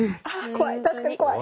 確かに怖い。